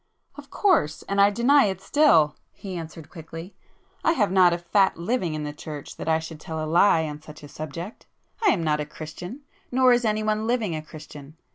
"Of course,—and I deny it still"—he answered quickly—"I have not a fat living in the church that I should tell a lie on such a subject. I am not a Christian; nor is anyone living a Christian.